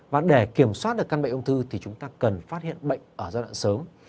và để kiểm soát được căn bệnh ung thư thì chúng ta cần phát hiện bệnh ở giai đoạn sớm